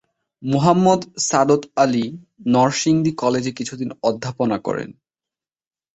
মোহাম্মদ সাদত আলী নরসিংদী কলেজে কিছুদিন অধ্যাপনা করেন।